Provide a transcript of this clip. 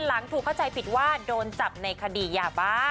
หลังถูกเข้าใจผิดว่าโดนจับในคดียาบ้า